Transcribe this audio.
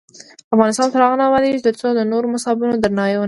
افغانستان تر هغو نه ابادیږي، ترڅو د نورو مذهبونو درناوی ونکړو.